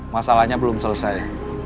masalahnya belum selesai